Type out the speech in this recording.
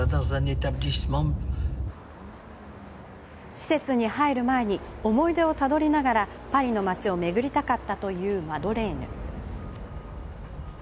施設に入る前に思い出をたどりながらパリの街を巡りたかったというマドレーヌ。